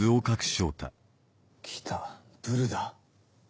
来たブルだ。